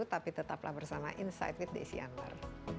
dulu tapi tetaplah bersama inside with desi anwar